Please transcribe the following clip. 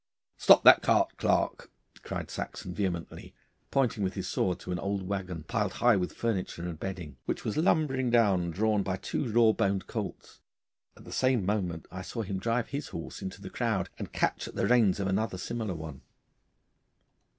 'Stop that cart, Clarke,' cried Saxon vehemently, pointing with his sword to an old waggon, piled high with furniture and bedding, which was lumbering along drawn by two raw boned colts. At the same moment I saw him drive his horse into the crowd and catch at the reins of another similar one.